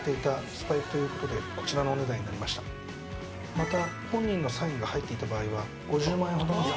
また。